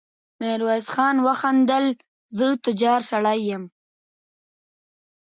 ميرويس خان وخندل: زه تجار سړی يم.